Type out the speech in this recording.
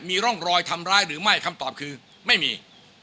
มีร่องรอยทำร้ายหรือไม่คำตอบคือไม่มี